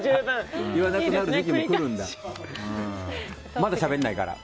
うちはまだしゃべらないから。